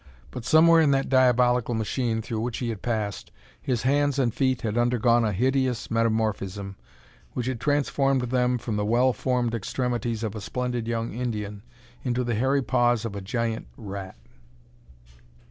But, somewhere in that diabolical machine through which he had passed, his hands and feet had undergone a hideous metamorphism which had transformed them from the well formed extremities of a splendid young Indian into the hairy paws of a giant rat!